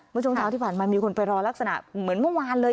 ช่วงเช้าที่ผ่านมามีคนไปรอลักษณะเหมือนเมื่อวานเลย